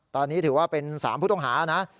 ตอนนี้ถือว่าเป็น๓ผู้ต้องหานะ